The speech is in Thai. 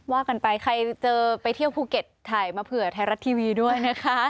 ว่ากันไปใครเจอไปเที่ยวภูเก็ตถ่ายมาเผื่อไทยรัฐทีวีด้วยนะคะ